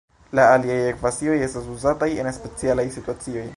La aliaj ekvacioj estas uzataj en specialaj situacioj.